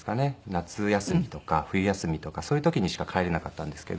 夏休みとか冬休みとかそういう時にしか帰れなかったんですけど。